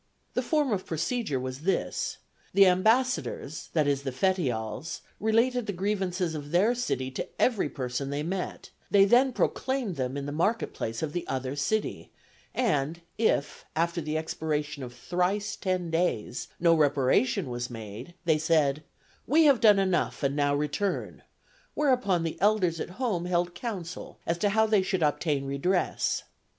The form of procedure was this: the ambassadors, that is the Fetiales, related the grievances of their city to every person they met, they then proclaimed them in the market place of the other city, and if, after the expiration of thrice ten days no reparation was made, they said, "We have done enough and now return," whereupon the elders at home held counsel as to how they should obtain redress.